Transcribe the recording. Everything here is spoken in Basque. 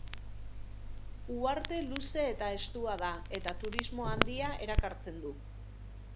Uharte luze eta estua da eta turismo handia erakartzen du.